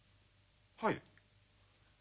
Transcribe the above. はい。